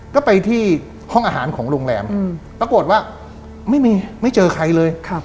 ก็ไปที่ห้องอาหารของโรงแรมปรากฏว่าไม่มีไม่เจอใครเลย